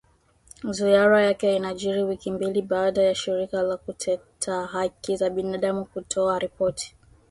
Ziara yake inajiri wiki mbili baada ya shirika la kuteta haki za binadamu kutoa ripoti